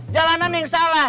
jalanan yang salah